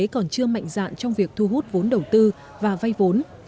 cơ sở y tế vẫn chưa mạnh dạn trong việc thu hút vốn đầu tư và vay vốn